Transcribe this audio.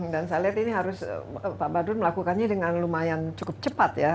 dan saya lihat ini harus pak badun melakukannya dengan lumayan cukup cepat ya